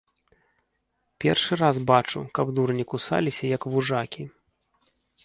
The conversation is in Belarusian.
Першы раз бачу, каб дурні кусаліся, як вужакі.